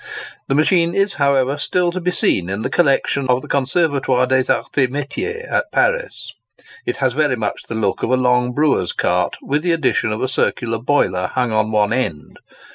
The machine is, however, still to be seen in the collection of the Conservatoire des Arts et Métiers at Paris. It has very much the look of a long brewer's cart, with the addition of the circular boiler hung on at one end.